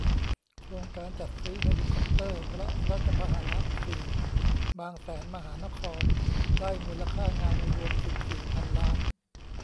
โครงการจัดซื้อเฮลิคอปเตอร์พระราชพาหนะ สี่ บางแสนมหานคร ได้มูลค่างานรวม สิบสี่ พันล้าน